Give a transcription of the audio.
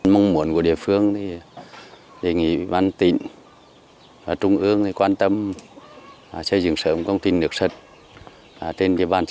mong muốn của địa phương thì